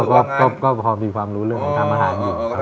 ก็พอมีความรู้เรื่องของทำอาหารอยู่